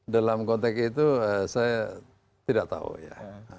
dalam konteks itu saya tidak tahu ya